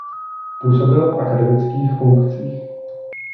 Působil v akademických funkcích.